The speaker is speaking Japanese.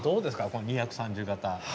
この２３０形。